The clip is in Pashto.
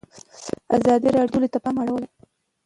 ازادي راډیو د سوله ته پام اړولی.